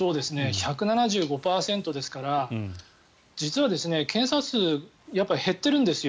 １７５％ですから実は検査数は減っているんですよ。